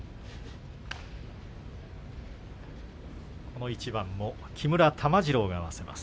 この一番も木村玉治郎が合わせます。